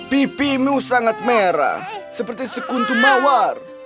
pipimu sangat merah seperti sekuntum mawar